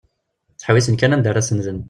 Ttḥewwisen kan anda ara senden.